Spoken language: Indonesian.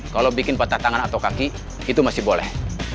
kalau bikin patah tangan atau kaki itu masih boleh